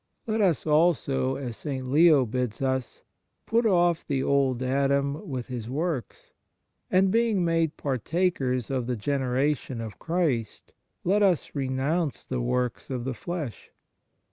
Let us also, as St. Leo bids us, " put off the old Adam with his works, and, being made partakers of the generation of Christ, let us renounce the works of the flesh.